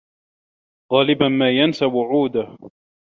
غالبا ما ينسى وعوده.